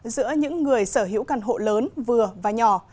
giữa những người sở hữu căn hộ lớn vừa và nhỏ